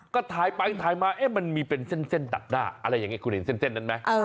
ก็ถ่ายไปถ่ายมามันมีเป็นเส้นตัดหน้าอะไรอย่างนี้คุณเห็นเส้นนั้นไหม